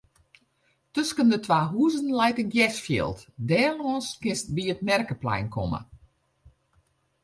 Tusken de twa huzen leit in gersfjild; dêrlâns kinst by it merkplein komme.